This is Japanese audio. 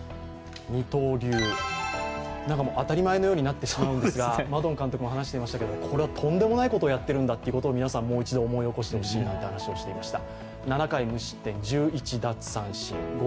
二刀流、当たり前のようになってしまうんですがマドン監督も話していましたけれども、これはとんでもないことをやっているんだということを皆さん、もう一度思い起こしてほしいなんて話をしていました。